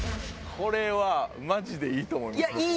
これはマジでいいと思います僕。